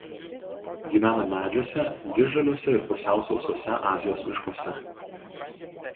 Gyvena medžiuose visžaliuose ir pusiau sausuose Azijos miškuose.